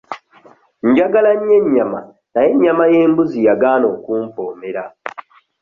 Njagala nnyo ennyama naye ennyama y'embuzi yagaana okumpoomera.